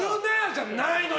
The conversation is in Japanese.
じゃないのよ。